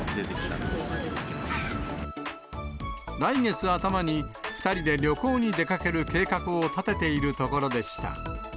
来月頭に、２人で旅行に出かける計画を立てているところでした。